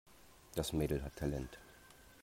Das Mädel hat Talent.